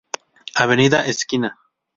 Avenida esquina.